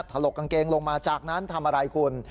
ถลกกางเกงลงมาจากนั้นทำอะไรคุณ